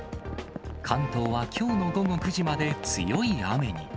関東はきょうの午後９時まで強い雨に。